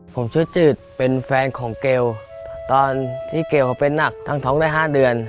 ผมชื่อจืดเป็นแฟนของเกลตอนที่เกลเขาเป็นหนักตั้งท้องได้๕เดือน